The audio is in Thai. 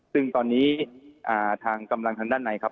ซึ่งตอนนี้ทางกำลังทางด้านในครับ